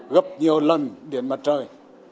gấp nhiều lần điện mặt trời